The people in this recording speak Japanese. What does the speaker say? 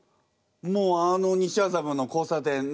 もうあの西麻布の交差点の。